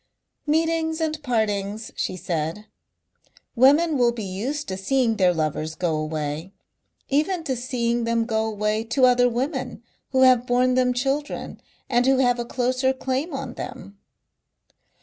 "Meetings and partings," she said. "Women will be used to seeing their lovers go away. Even to seeing them go away to other women who have borne them children and who have a closer claim on them."